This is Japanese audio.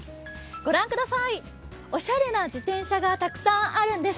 御覧ください、おしゃれな自転車がたくさんあるんです。